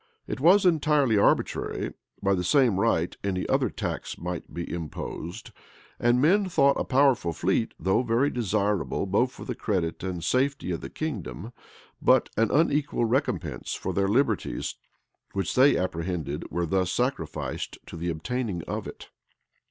It was entirely arbitrary: by the same right any other tax might be imposed: and men thought a powerful fleet, though very desirable both for the credit and safety of the kingdom, but an unequal recompense for their liberties, which, they apprehended, were thus sacrificed to the obtaining of it.